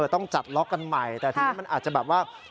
ต้องจัดล็อกกันใหม่แต่ทีนี้มันอาจจะแบบว่า